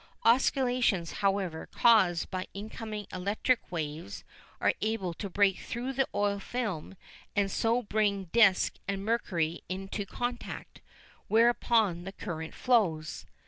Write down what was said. Oscillations, however, caused by incoming electric waves, are able to break through the oil film and so bring disc and mercury into contact, whereupon the current flows.